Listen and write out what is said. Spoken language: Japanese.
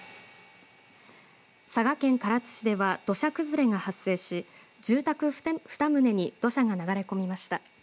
佐賀県唐津市では土砂崩れが発生し住宅２棟に土砂が流れ込みました。